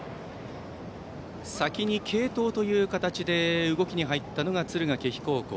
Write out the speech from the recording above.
先に継投という形で動きに入ったのが敦賀気比高校。